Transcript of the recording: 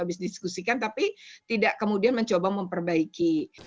habis diskusikan tapi tidak kemudian mencoba memperbaiki